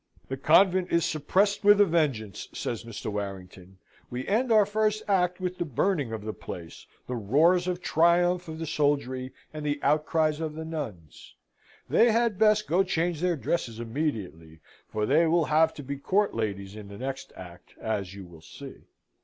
"The convent is suppressed with a vengeance," says Mr. Warrington. "We end our first act with the burning of the place, the roars of triumph of the soldiery, and the outcries of the nuns. They had best go change their dresses immediately, for they will have to be court ladies in the next act as you will see."